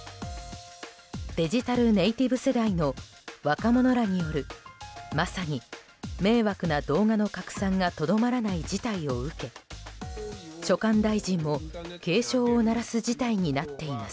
デジタルネイティブ世代の若者らによるまさに迷惑な動画の拡散がとどまらない事態を受け所管大臣も警鐘を鳴らす事態になっています。